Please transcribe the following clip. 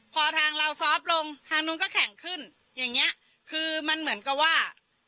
พอทางเราซอฟต์ลงทางนู้นก็แข็งขึ้นอย่างเงี้ยคือมันเหมือนกับว่า